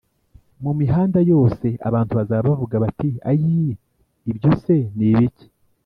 mu mihanda yose abantu bazaba bavuga bati ayii ibyose nibiki